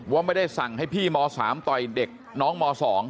ว่าไม่ได้สั่งให้พี่ม๓ต่อยเด็กน้องม๒